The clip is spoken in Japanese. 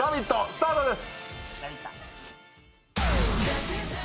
スタートです。